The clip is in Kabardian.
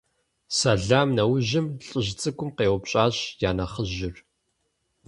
Сэлам нэужьым лӀыжь цӀыкӀум къеупщӀащ я нэхъыжьыр.